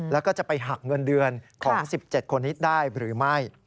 แล้วก็จะไปหักเงินเดือนของ๑๗คนนี้ได้หรือไม่